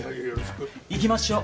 行きましょう。